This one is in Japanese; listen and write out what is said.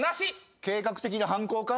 計画的な犯行か？